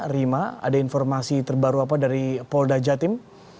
rima ada informasi terbaru apa dari polda jatim